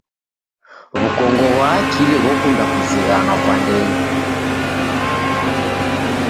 W'ukongo ghwa akili ghokunda kuzighanwa kwa ndenyi.